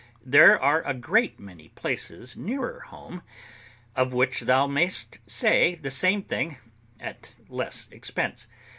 There are a great many places nearer home, of which thou mayest say the same thing at less expense.